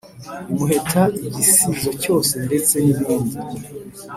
imuheta igisizo cyose ndetse nibindi